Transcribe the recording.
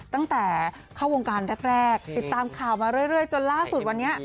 ตั้งแต่เข้าวงการแรกติดตามข่าวมาเรื่อยจนล่าสุดวันนี้